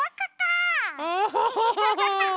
アハハハ！